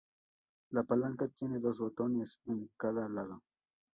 La palanca tiene dos botones en cada lado.